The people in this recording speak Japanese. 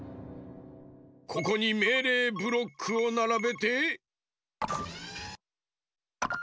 ここにめいれいブロックをならべて。